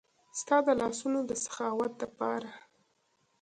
ستا د لاسونو د سخاوت د پاره